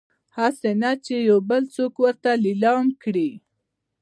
هسي نه چې يې بل څوک ورته ليلام کړي